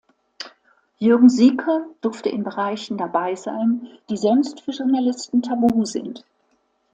Jürgen Sieker durfte in Bereichen dabei sein, die sonst für Journalisten tabu sind.